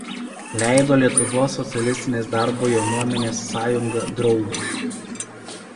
Leido Lietuvos socialistinės darbo jaunuomenės sąjunga „Draugas“.